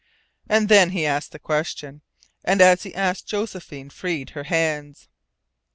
And then he asked the question and as he asked Josephine freed her hands.